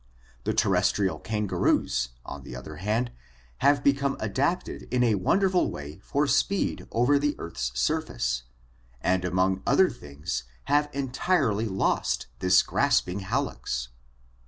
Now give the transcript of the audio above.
The terrestrial kangaroos, on the other hand, have become adapted in a wonderful way for speed over the earth's surface, and among other things have entirely lost this grasping hallux (see Fig.